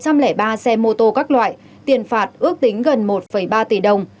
và xe mô tô các loại tiền phạt ước tính gần một ba tỷ đồng